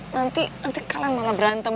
nanti kalian malah berantem